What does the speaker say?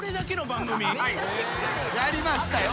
やりましたよ。